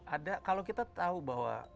ada kalau kita tahu bahwa